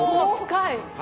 深い。